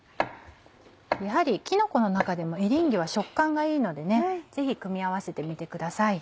やはりきのこの中でもエリンギは食感がいいのでぜひ組み合わせてみてください。